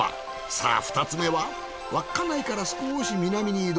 さあ２つめは稚内からすこし南に移動。